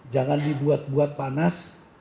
jangan dibuat buat panas